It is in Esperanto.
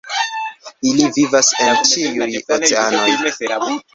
Ili vivas en ĉiuj oceanoj.